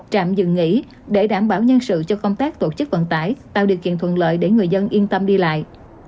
trạm dừng nghỉ để đảm bảo nhân sự cho công tác tổ chức vận tải tạo điều kiện thuận lợi để người dân yên tâm đi lại